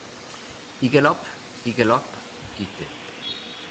I galop, i galop gik det.